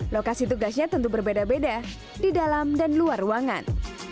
lokasi tugasnya tentu berbeda beda di dalam dan luar ruangan